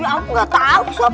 aku gak tahu sob